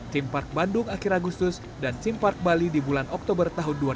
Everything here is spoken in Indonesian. tim park bandung akhir agustus dan tim park bali di bulan oktober dua ribu dua puluh